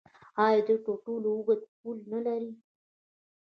آیا دوی تر ټولو اوږده پوله نلري؟